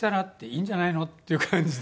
「いいんじゃないの？」っていう感じで。